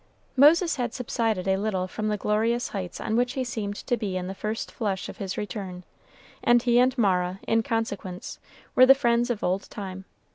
Moses had subsided a little from the glorious heights on which he seemed to be in the first flush of his return, and he and Mara, in consequence, were the friends of old time.